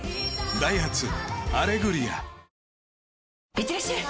いってらっしゃい！